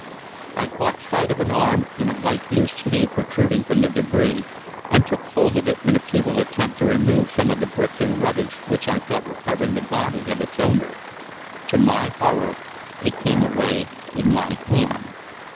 "I caught sight of an arm in a light blue sleeve protruding from the débris, and took hold of it in a futile attempt to remove some of the bricks and rubbish which I thought were covering the body of its owner. To my horror, it came away in my hand.